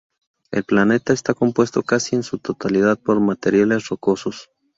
El planeta está compuesto casi en su totalidad por materiales rocosos.